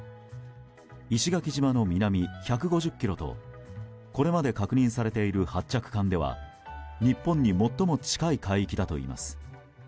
石垣島の南１５０ｋｍとこれまで確認されている発着艦では日本に最も近い海域だといいます。